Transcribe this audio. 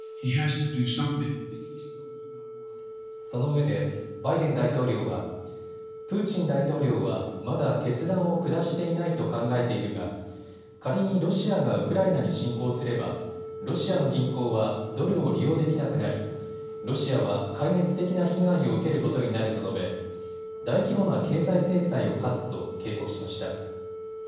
そのうえでバイデン大統領はプーチン大統領は、まだ決断を下していないと考えているが仮にロシアがウクライナに侵攻すればロシアの銀行はドルを利用できなくなりロシアは壊滅的な被害を受けることになると述べ大規模な経済制裁を科すと警告しました。